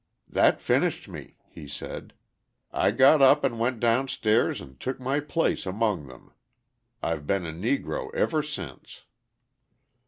"That finished me," he said, "I got up and went downstairs and took my place among them. I've been a Negro ever since."